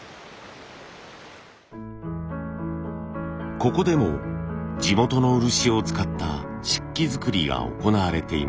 ここでも地元の漆を使った漆器作りが行われています。